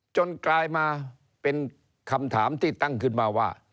กลายมาเป็นคำถามที่ตั้งขึ้นมาว่า